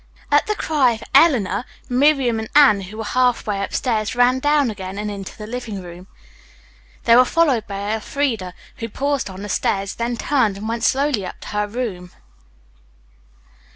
At the cry of "Eleanor," Miriam and Anne, who were half way upstairs, ran down again and into the living room. They were followed by Elfreda, who paused on the stairs, then turned and went slowly up to her room.